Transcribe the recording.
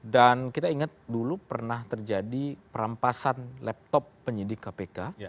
dan kita ingat dulu pernah terjadi perampasan laptop penyidik kpk